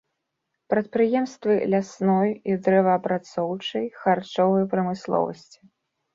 Прадпрыемствы лясной і дрэваапрацоўчай, харчовай прамысловасці.